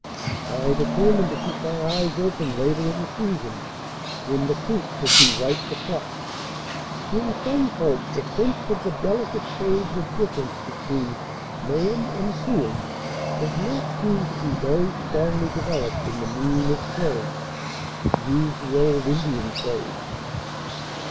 I determined to keep my eyes open later in the season, when the fruit should be ripe to pluck. In some folks, a sense of the delicate shades of difference between meum and tuum does not seem to be very strongly developed in the Moon of Cherries, to use the old Indian phrase.